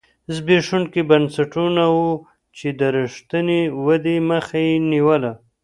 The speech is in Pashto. زبېښونکي بنسټونه وو چې د رښتینې ودې مخه یې نیوله.